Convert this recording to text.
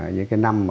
những cái năm